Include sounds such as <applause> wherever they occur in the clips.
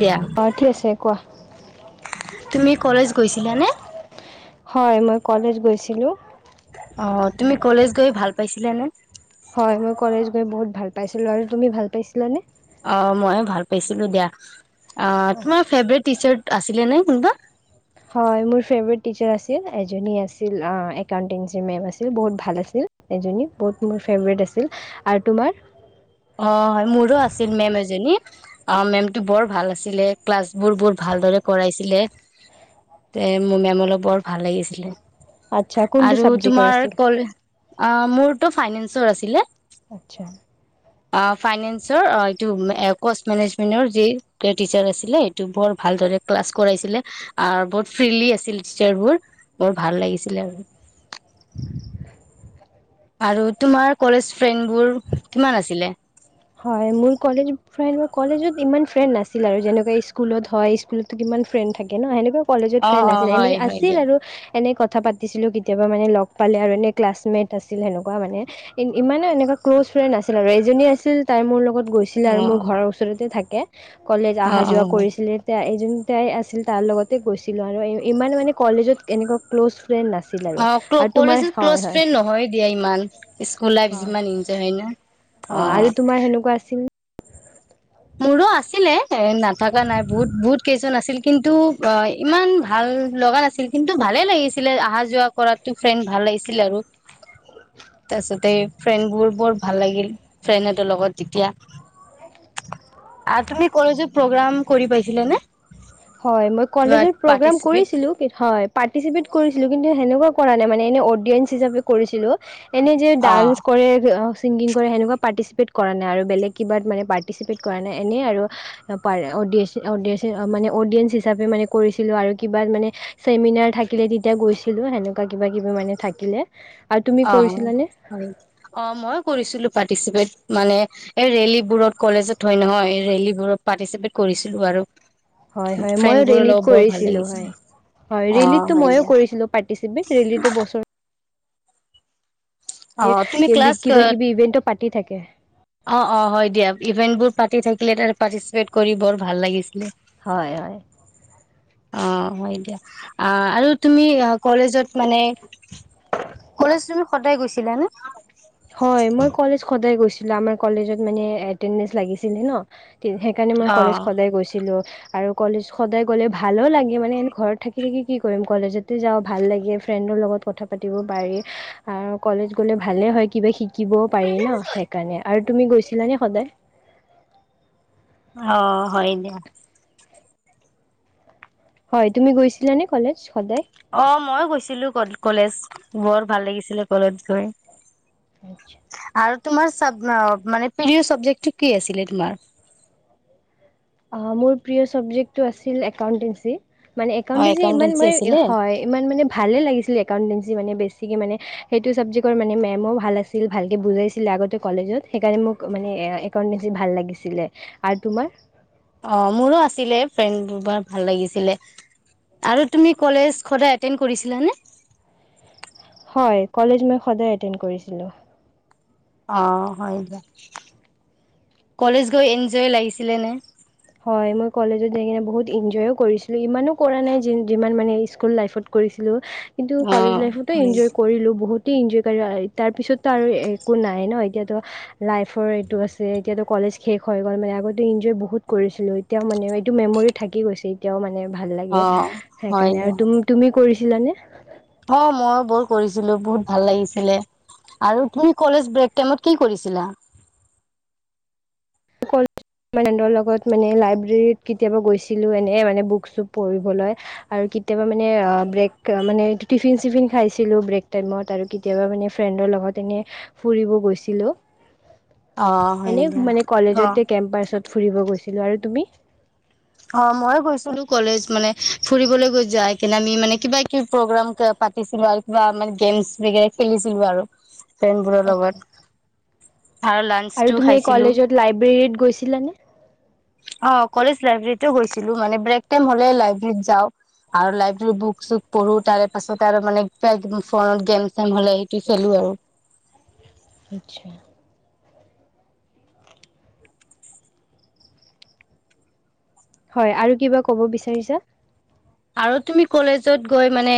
দিয়া অ ঠিক আছে কাহ তুমি কলেজ গৈছিলানে হয় মই কলেজ গৈছিলোঁ অ তুমি কলেজ গৈ ভাল পাইছিলা নে তই বহুত ভাল পাইছিলোঁ আৰু তুমি ভাল পাইছিলাানে অ মই ভাল পাইছিলো দিয়া অ আচ্ছা। তোমাৰ ফেভৰেট টি চাৰ্ট আছিলে নে কোনব হয় মোৰ ফেভৰেট টিচাৰ আছিল এজনী আছিল একাউণ্টেঞ্চিৰ মেম আছিল বহুত ভাল আছিল এজনী বহুত মোৰ ফেভৰেট আছিল আৰু তোমাৰ অ হয় মোৰো আছিল মেম এজনী অ মেমটো বৰ ভাল আছিলে ক্লাছবোৰ বৰ ভালদৰে কৰাইছিলে তে মোৰ মেম অলপ বৰ ভাল লাগিছিলে আচ্ছা কোনটো আৰু ছাবজেক্টৰ তোমাৰ আছিল কলে অ মোৰতটো ফাইনেন্সৰ আছিলে আচ্ছা অ ফাইনেন্সৰ কষ্ট মেনেজমেন্টৰ টিচাৰ আছিলে স বৰ ভালদৰে ক্লাছ কৰাইছিলে বহত ফ্ৰলি আছিল টিচাৰোৰ বৰ ভাল লাগিছিল আৰু আৰু তোমাৰ কলেজ ফ্ৰেণ্ডবোৰ কিমান আছিলে হয় মোৰ কলেজ ফ্ৰড কলেজত ইমান ফ্ৰেণ্ড নাছিল আৰু যেনেকুৱা স্কুলত হয় স্কুলতো কিমান ফ্ৰেণ্ড থাকে ন সেনেক কলেজত অ ফ্ৰেণ্ড অ আছিল এনে হয় হয় আছিল দিয়া আৰু এনেই কথা পাতিছিলোঁ কেতিয়াবা মানে লগ পালে আৰু এনেই ক্লাছমেট আছিল সেনেকুৱা মানে ইমানো এনেকুৱা ক্ল'জ ফ্ৰেণ্ড আছিল আৰু এজনী আছিল তাই মোৰ লগত গৈছিল আৰু অ মোৰ ঘৰৰ ওচৰতে থাকে কলেজ অ অহা অ যোৱা হয় কৰিছিলে এতিয়া যোনটাই আছিল তাৰ লগতে গৈছিলোঁ আৰু ইমান মানে কলেজত এনেকুৱা ক্ল'জ ফ্ৰেণ্ড নাছিল আৰু অ্ আৰু তোমাৰ কলেজত হয় ক্ল'জ হয় ফ্ৰেণ্ড নহয় দিয়া ইমান স্কুল লাইফ অঁ যিমান এজা হয় ন অ অঁ আৰু তোমাৰ সেনেকুৱা আছিল মোৰো আছিলে নাথকা নাই বহুত বহুত কেইজন আছিল কিন্তু ইমান ভাল লগা নাছিল কিন্তু ভালে লাগিছিলে অহা যোৱা কৰাো ফ্ৰেণ্ড ভাল লাগিছিল আৰু তাৰপিছতে ফ্ৰেণ্ডবোৰ বৰ ভাল লাগিল ফ্ৰেণ্ড এতৰ লগত তেতিয়া আৰু তুমি কলেজ প্ৰগ্ৰাম কৰি পাইছিলা নে? হয়, মই কিবা কলজৰ প্ৰগ্ৰেম পাৰ্টিচিপেট কৰিছিলো কি হয়, পাৰ্টিচিপেট কৰিছিলো কিন্তু সেনেকুৱা কৰা নাই মানে এনে অডিয়েন্স হিচাপে কৰিছিলোঁ। এনে যে অ ডান্স কৰে ছিংগিং কৰে, সেনেকুৱা পাৰ্টিচিপেট কৰা নাই আৰু বেলেগ কিবাত মানে পাৰ্টিচিপেট কৰা নাই এনেই আৰু পাৰ অডিয়েচ'অডিয়েচন মানে অডিয়েঞ্চ হিচাপে মানে কৰিছিলোঁ, আৰু কিবা মানে চেমিনাৰ থাকিলে তেতিয়া গৈছিলোঁ সেনেকুৱা কিবা কিবি মানে থাকিলে আৰু তুমি অ', কৰিছিলানে হয়, অ', মইয়ো কৰিছিলো পাৰ্টিচিপেট। মানে, এই ৰেলীবোৰত কলেজত হয় নহয় এই ৰেলী বোৰত পাৰ্টিচিপেট কৰিছিলো আৰু হয়, হয়, মই ফ্ৰেণ্ডবোৰৰ ৰেলীত লগত বৰ ভাল কৰিছিলোঁ লাগিছিলে হয়, হয় অ ৰেলীতটো হয় ময়ো দিয়া কৰিছিলো পাৰ্টিচিপেট ৰেলীটো বছৰ অ তুমি ক্লাছ <unintelligible> কিবা-কিবি ইভেন্ট পাত তি থাকে। অ', অ', হয় দিয়া, ইভেন্ট বোৰ পাতি থাকিলে তাৰ পাৰ্টিচিপেট কৰি বৰ ভাল লাগিছিলে। হয়, হয়। অ', হয় দিয়া। আ, আৰু তুমি কলেজত মানে, কলেজ তুমি সদাই গৈছিলা নে? হয় মই কলেজ সদায় গৈছিলোঁ আমাৰ কলেজত মানে এটেন্দেন্স লাগিছিলে ন সেইকাৰণে মই কলেজ অ', সদাই গৈছিলোঁ। আৰু কলেজ সদায় গ'লে ভালো লাগে, মানে ঘৰত থাকি থাকি কি কৰিম কলেজতে যাওঁ ভাল লাগে, ফ্ৰেণ্ডৰ লগত কথা পাতিব পাৰি, আৰু কলেজ গ'লে ভালে হয় কিবা শিক কিবও পাৰি ন, সেইকাৰণে আৰু তুমি গৈছিলানে সদায়? অ', হয় দিয়া। হয়, তুমি গৈছিলা নে কলেজ সদায়? অ', মইও গৈছিলো কলেজ, বৰ ভাল লাগিছিলে কলেজ গৈ। আৰু <unintelligible> তোমাৰ চাব-মা-মানে প্ৰিয় চাবজেক্টটো কি আছিলে তোমাৰ? মোৰ প্ৰিয় চাবজেক্টটো আছিল একাউণ্টেঞ্চি। মানে অ', একাউটেঞ্চি ইমান একাউণ্টেঞ্চি মই আছিলে। হয়, ইমান মানে ভালে লাগিছিল একাউটেঞ্চি মানে বেছ <unintelligible> মানে, সেইটো চাবজেক্টৰ মানে মেমো ভাল আছিল, ভালকে বুজাইছিলে আগতে কলেজত, সেইকাৰণে মোক মানে একাউটেঞ্চি ভাল লাগিছিলে। আৰু তোমাৰ? অ', মোৰো আছিলে <unintelligible> ভাল লাগিছিলে। আৰু তুমি কলেজ সদায় এটেণ্ড কৰিছিলানে? হয়, কলেজ মই সদায় এটেন্ড কৰিছিলো। অ', হয় দিয়া। কলেজ গৈ এনজয় লাগিছিলে নে?। হয়, মই কলেজত যাই কিনে বহুত ইনজয়ও কৰিছিলোঁ, ইমানো কৰা নাই যিমান মানে স্কুল লাইফত কৰিছিলোঁ। কিন্তু কলেজ অ', লাইফতো হয় এনজয় কৰিলোঁ বহুত। তে এনজয় <inaudible> তাৰ পিছত তো আৰু একো নাই ন, এতিয়াতো লাইফৰ এইটো আছে এতিয়াতো কলেজ শেষ হৈ গ'ল, মানে আগতে এনজয় বহুত কৰিছিলোঁ, এতিয়াও মানে এইটো মেম'ৰি থাকি গৈছে এতিয়াও মানে। ভাল লাগে, অ', হয় সেইকাৰণে দিয়া। আৰু তুম-তুমি কৰিছ জিলানে? অ', মইয়ো বৰ কৰিছিলোঁ, বহুত ভাল লাগিছিলে। আৰু তুমি কলেজ ব্ৰেক টাইমত কি কৰিছিলা?। <inaudible> ফ্ৰেণ্ডৰ লগত মানে লাইব্ৰেৰীত কেতিয়াবা গৈছিলোঁ, এনেই মানে বুক-চুক পঢ়িবলৈ, আৰু কেতিয়াবা মানে, অহ, ব্ৰেক মানে টিফিন-চিফিন খাইছিলোঁ ব্ৰেক টাইমত, আৰু কেতিয়াবা মানে ফ্ৰেণ্ডৰ লগত এনেই ফুৰিব গৈছিলোঁ। অ', হয় দিয়া। অ <unintelligible> কেম্পাৰ্চ ত ফুৰিব গৈছিলোঁ আৰু তুমি? অ মইয়ো গৈছিলো কলেজ মানে ফুৰিবলৈ গৈ যায়কেনে আমি মানে কিবা কিবি প্ৰগ্ৰাম পা-পাতিছিলোঁ আৰু কিবা গেমছ বেগেৰা খেলিছিলোঁ আৰু। ফ্ৰেণ্ডবোৰৰ আচ্ছা লগত। আৰু আৰু লাঞ্চটো তুমি এই খাইছিলো কলেজত লাইব্ৰেৰীত গৈছিলানে? <unintelligible> তো গৈছিলোঁ মানে ব্ৰেক টাইম হ'লে লাইব্ৰেৰীত যাওঁ আৰু লাইব্ৰেৰীত বুক-চুক পঢ়ো তাৰে পাছত আৰু মানে কিবা কিবি ফোনত গেম-চেম হ'লে সেইটো খেলোঁ আৰু। আচ্ছা। হয় আৰু কিবা ক'ব বিচাৰিছা? আৰু তুমি কলেজত গৈ মানে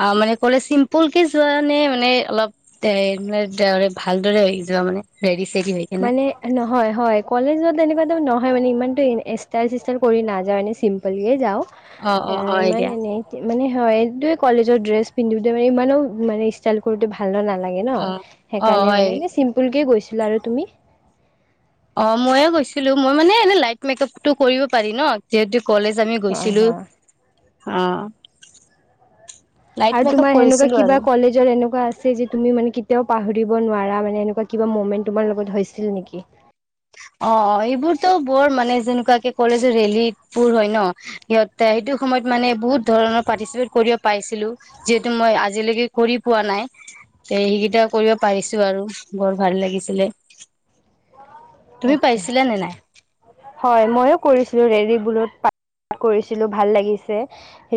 আ, মানে কলেজ চিম্পুল কে যোৱা নে মানে অলপ <unintelligible> ভালদৰে আহি যোৱা মানে হেৰি মানে নহয় হয়, কলেজত এনেকুৱা <unintelligible> হয়, মানে ইমানটো ইষ্টাইল চিষ্টাইল কৰি নাযাওঁ এনেই চিম্পলকে যাওঁ। অ অ এ হয় ইমান দিয়া এনেই মানে হয়, এইটোৱে কলেজৰ ড্ৰেছ পিন্ধোতে মানে ইমানো মানে ইষ্টাইল কৰোতে ভাল ভালো নালাগে ন? অ অ সেইকাৰণে হয় মানে এনে চিম্পুলকৈ গৈছিলোঁ আৰু তুমি? অ', ময়ো গৈছিলো মই মানে এনে লাইট মেকআপটো কৰিব পাৰি ন যিহেতু কলেজ আমি অ হ গৈছিলো। অ'। লাইট আৰু মেকআপ তোমাৰ সেনেকুৱা কৰিছিলো কিবা আৰু কলেজৰ এনেকুৱা আছে যে, তুমি মানে কেতিয়াও পাহৰি ব নোৱাৰা মানে এনেকুৱা কিবা মমেন্ট তোমাৰ লগত হৈছিল নেকি? অ', অ', এইবোৰতো বৰ মানে যেনেকুৱাকে কলেজৰ ৰেলীবোৰ হয়, ন? হিহঁতে সেইটো সময়ত মানে বহুত ধৰণৰ পাৰ্টিচিপেট কৰিব পাইছিলো যিহেতু মই আজিলৈকে কৰি পোৱা নাই। এই হেইকেইটা কৰিব পাৰিছো আৰু, বৰ ভাল লাগিছিলে। তুমি আতচ্চা পাইছিলা নে নাই হয়, ময়ো কৰিছিলো ৰেলিবোৰত। কৰিছিলো ভাল লাগিছে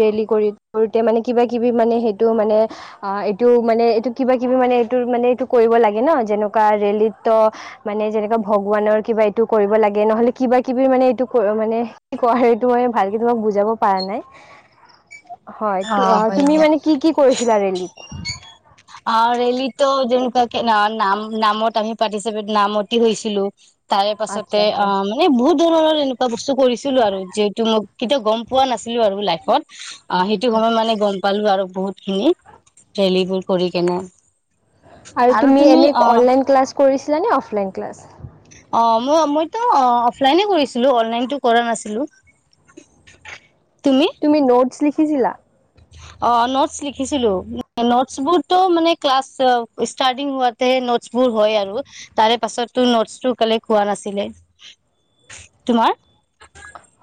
ৰেলী কৰি কৰোতে মানে কিবা কিবি মানে সেইটো মানে আ, এইটো মানে এইটো কিবা কিবি মানে এইটো মানে এইটো কৰিব লাগে ন যেনেকুৱা ৰেলীত তো মানে যেনেকা ভগৱানৰ কিবা এইটো কৰিব লাগে নহ'লে কিবা কিবি মানে এইটো মানে কি কয় এইটো মই ভালকে তোমাক বুজাব পাৰা নাই। হয়, অ', হয় তুমি দিয়া মানে কি, কি কৰিছিলা ৰেলীত? নাম, নাম, নামত আমি পাৰ্টিচিপেট নামতি হৈছিলো। তাৰে আচ্ছা পাছতে আচ্ছা অ', মানে বহুত ধৰণৰ এনেকুৱা বস্তু কৰিছিলো আৰু যিহেটো মোক কেতিয়াও গম পোৱা নাছিলো আৰু লাইফত অ', সেইটো সময়ত মানে গম পালো আৰু বহুত খিনি ৰেলী কৰি কিনে। আৰু তুমি এনে অনলাইন ক্লাছ কৰি লা নে আফলাইন ক্লাছ? অ', ম মইতো অফলাইনে কৰিছিলো অনলাইনটো কৰা নাছিলো। তুমি নটছ লিখি চিলা? অ', নোটছ লিখিছিলো নোটছবোৰটো মানে ক্লাছ ষ্টাৰটিং হোৱাতে নোটছবোৰ হয় আৰু তাৰে পাছতো নোটছটো কালেক্ট হোৱা নাছিলে তোমাৰ?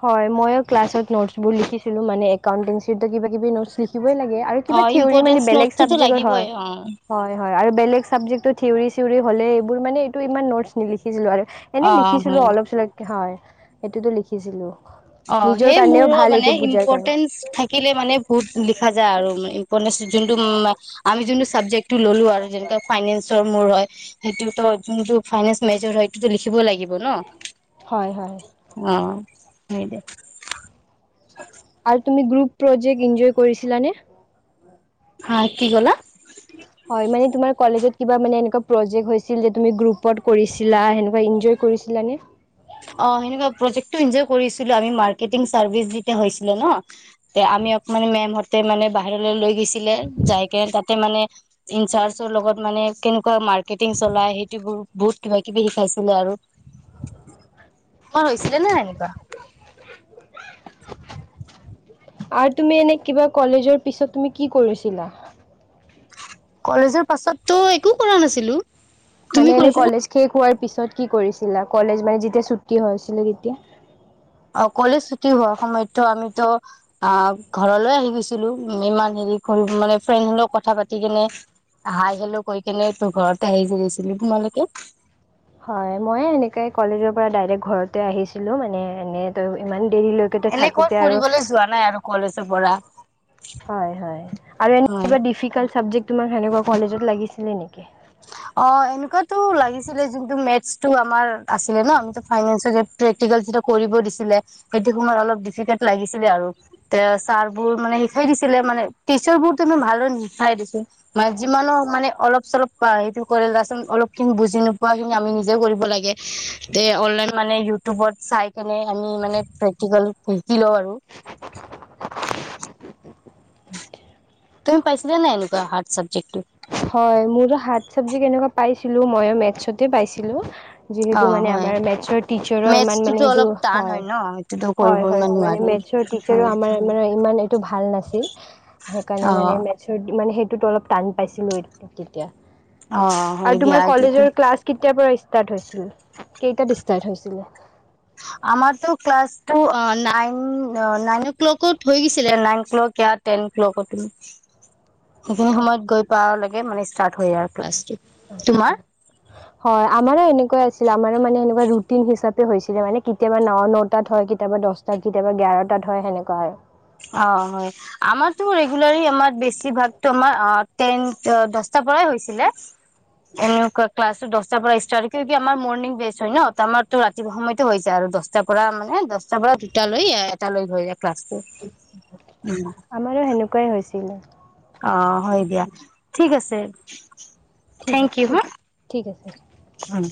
হয় মইয়ো ক্লাছত নোটছ বোৰ লিখিছিলো মানে একাউণ্টেঞ্চিটো কিবা কিবি নটছ লিখি সেইবোৰে লাগে আৰু অ কিবা থিওঁৰি মানে ইম্পৰ্টেঞ্চ বেলেগ নোটটোতো চাবজেক্টৰ হয়। লাগিবই অ হয় হয় আৰু বেলেগ চাবজেক্টৰ থিউৰি চিউৰি হ'লে এইবোৰ মানে এইটো ই নটছ নিলিখিছিলো আৰু এনেই অ লিখিছিলো হয় অলপ চলপকে হয় এইটোতো লিখি শিকিছিলোঁ অঁ সেই মোৰো মানে কাৰণে ইম্পৰ্টেন্ঞ্চ থাকিলে মানে বহুত লিখা যায় আৰু ইম্পৰ্টে যোনটো উমি যোনটো চাবজেক্টটো ল'লো আৰু যেনেে ফাইনেন্সৰ মোৰ হয় সেই তো ফাইনেন্স মেজৰ হয় থাকিব লাগিব হয় হয় ন অঁ সেই দে আৰু তুমি গ্ৰুপ পজেক কৰিছিলানে হা কি কলা হয় মানে তোমাৰ কলেজত কিবা মানে এনেকুৱা প্ৰজেক্ হৈছিল যে তুমি গ্ৰুপত কৰিছিলা সেনেুৱা এনজয় কৰিছিলা নে অঁ সনেকুৱা কৰিছিলো আঁ চাৰ্চ হৈ ন আমি অঁ মমে লিছিলে যাইক তাতে মানে ইনচাৰ্জৰ লগত মানে কেনেকুৱা মাৰ্কেটিং চলাই সেইটো বোৰ বহুত কিবা কিবি শিকাইছিলে আৰু মৰ হৈছিলে ন এনেকুৱা আৰু তুমি এনে কিবা কলেজৰ পিছত তুমি কি কৰিছিলা কলেজৰ পাছততো একো কৰা নাছিলো মান তুমি এনে কৰিছিলা কলেজ খ খোৱাৰ পিছত কি কৰিছিলা কলেজ মানে যেতিয়া ছু্টি হৈছিলে তেতিয়া অঁ কলেজ ছুটি হোৱা সময়ততো আমিতো অ ঘৰলৈ আহি গৈছিলো ইমান হেৰি মানে ফ্ৰেড হলেক কথা পাতি কেনে হাই হেলো কৈ কেনে ত ঘৰতে আহিছিলো তোমালোকে হয় মই এনেকুৱা কলেজৰ পৰা আহি দাৰেক ঘৰতে আহিছিলো হেৰি লগত এনে ক'ত থাকোতে আৰু ফুৰিবলৈ যোৱা নাই আৰু কলেজৰ পৰা হয় হয় আৰু হয় এনেকুৱাও ডিফিকেল চাবজেক্ট তোমাৰ সেনেকুৱা কলেজত লাগিছিলে নেকি অঁ এনেকুৱাতটো লাগিছিলে যোনটো মেথছটো আমাৰ আছিলে ন আমাৰ ফাইনেস প্ৰেক্টিকেল কৰিব দিছিলে সেইটো সময়ত অলপ ডিফিকালট লাগিছিলে আৰু তে ছাৰবোৰ মানে শাই দিছিলে মানে টিচাৰোৰে ভালৰ শিকাই দিছিল ম যিমানো মানে অলপ চলপ সেইটো কৰে অলপখিনি বুজি নোপোৱা আমি নিজে কৰিব লাগে অনলাইন মানে ইউটিউবত চাই কিনে আমি মানে প্ৰেক্টিকেল শিকি লওঁ আৰু হয় তুমি পাইছিলা ন এনেকুৱাই হাৰছ হয় মোৰো শাক চব্জি কেনেকুৱা পাইছে ছিলো মইো মেথছতে পাইছিলো অ যিহেতু মানে হয় আমাৰ মে টিচাৰ ই মানে মেথছটোতো স অলপ টান হয় ন সেইটোতো কৰিব হয় হয় ইমান মান নোৱাৰি মেটি হয় আাৰে ইমান এইটো ভাল নাছিল সেইকাৰণে অ মানে মে মানে অলপ টান পাইছিলোঁ তেতিয়া অ হয় আৰু দিয়া তোমাৰ এইটোতো কলেজৰ ক্লাছ কেতিয়াৰ পৰা ষ্টাৰট হৈছিল কেইটাত ষ্টাৰ্ট হৈছিলে আমাৰতো ক্লাছটো নাইন নন অঁ ক্লকত হৈ গছিলে নাইন ক্লক ই টেন ক্ল সেইখিনি আচ্ছা সময়ত গৈ পা লাগে এই মানে ষ্টাৰ্ট হয় আৰু ক্লাছটো। তোমাৰ হয় আমাৰো এনেকুৱা আছিল আমাৰো মানে এনেকুৱা ৰুট ৰুটিন হিচাপে হৈছিলে মানে কেতিয়াবা ন' নটাত হয় কেতিয়াবা দশটাত কেতিয়াবা এঘাৰটাত হয় সেনেকুৱা আৰু। অ', হয় আমাৰটো ৰেগোলাৰি আমাৰ বেছিভাগটো আমাৰ তেন অ', দছটা পৰাই হৈছিলে ক্লাচটো দশটা পৰা ইস্টাট কিয়ুকি আমাৰ মৰ্নিং বেছ হয় ন আমাৰটো ৰাতিপুৱা সময়তো হৈ যায় আৰু দছটা পৰা মানে দছটা পৰা তেতিয়ালৈ এটালৈ হয় ক্লাচটো। <inaudible> আমাৰো সেনেকুৱাই হৈছিলে। অ', হয় দিয়া, ঠিক আছে। ঠিক আছে, ঠিক আছে। উম।